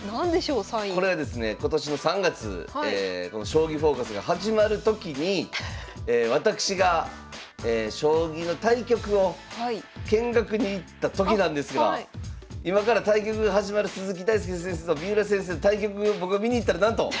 これはですね今年の３月この「将棋フォーカス」が始まる時に私が将棋の対局を見学に行った時なんですが今から対局が始まる鈴木大介先生と三浦先生の対局を僕が見に行ったらなんと！